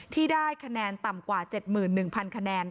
ที่ได้คะแนนต่ำกว่า๗๑๐๐คะแนน